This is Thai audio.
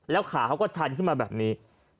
ขาเขาก็ชันขึ้นมาแบบนี้